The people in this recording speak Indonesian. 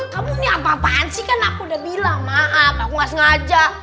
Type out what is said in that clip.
kamu ini apa apaan sih kan aku udah bilang maaf aku gak sengaja